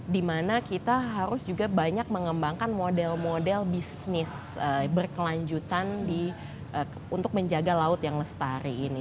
dimana kita harus juga banyak mengembangkan model model bisnis berkelanjutan untuk menjaga laut yang lestari ini